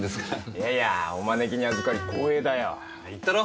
いやいやお招きにあずかり光栄だよ。言ったろ？